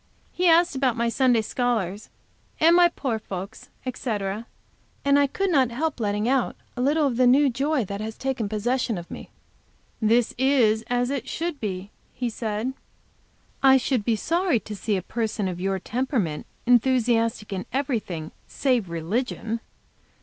He asked about my Sunday scholars and my poor folks, etc., and I could not help letting out a little of the new joy that has taken possession of me. "This is as it should be," he said. "I should be sorry to see a person of your temperament enthusiastic in everything save religion.